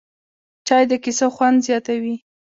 چای د کیسو خوند زیاتوي